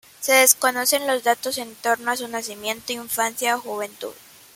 Se desconocen los datos en torno a su nacimiento, infancia o juventud.